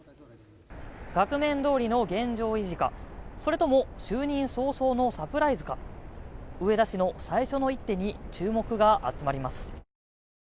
額面通りの現状維持か、それとも就任早々のサプライズか植田氏の最初の一手に注目が集まります。